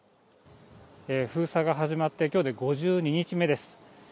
封鎖が始まってきょうで５２日目です。